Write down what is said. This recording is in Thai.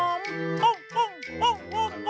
ปุ่งปุ่งปุ่งปุ่ง